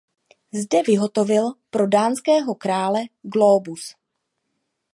Zde vyhotovil pro dánského krále glóbus.